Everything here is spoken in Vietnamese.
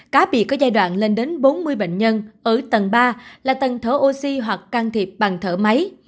cá biệt có giai đoạn lên đến bốn mươi bệnh nhân ở tầng ba là tầng thở oxy hoặc can thiệp bằng thở máy